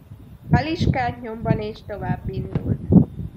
Fel is kelt nyomban, és továbbindult.